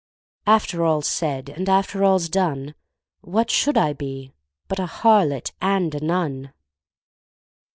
After all's said and after all's done, What should I be but a harlot and a nun?